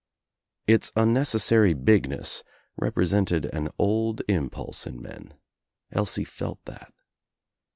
Its unnecessary bigness represented an old impulse in men. Elsie felt that.